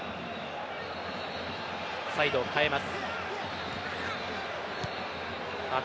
サイドを変えます。